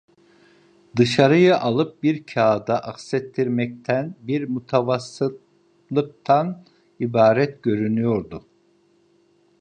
Dışarıyı alıp bir kâğıda aksettirmekten, bir mutavassıtlıktan ibaret görünüyordu.